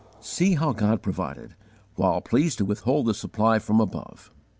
See how God provided, while pleased to withhold the supply from above!